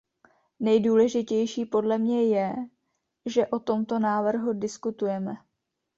Nejdůležitější podle mě je, že o tomto návrhu diskutujeme.